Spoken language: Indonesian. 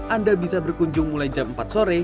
anda bisa berkunjung mulai jam empat sore